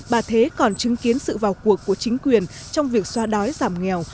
bà thế còn chứng kiến sự vào cuộc của chính quyền trong việc xoa đói giảm nghèo